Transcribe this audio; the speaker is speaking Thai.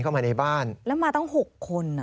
เข้ามาในบ้านแล้วมาตั้ง๖คน